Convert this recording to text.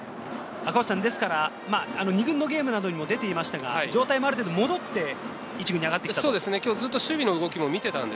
ですから、２軍のゲームなどにも出ていましたが、状態もある程度戻って、１軍に上がってきたと。